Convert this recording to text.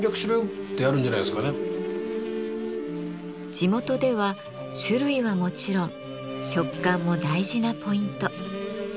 地元では種類はもちろん食感も大事なポイント。